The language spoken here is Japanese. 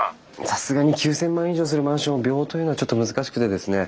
さすがに９，０００万以上するマンションを秒というのはちょっと難しくてですね